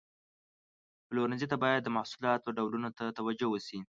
پلورنځي ته باید د محصولاتو ډولونو ته توجه وشي.